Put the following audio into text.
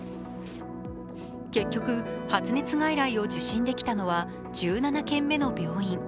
結局、発熱外来を受診できたのは１７件目の病院。